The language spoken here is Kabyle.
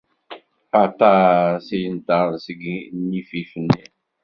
Aṭas i inṭerren seg inifif-nni.